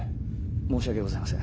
申し訳ございません。